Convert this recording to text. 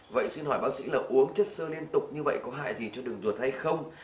vậy xin hỏi bác sĩ là uống chất sơ liên tục như vậy có hại gì cho đường ruột hay không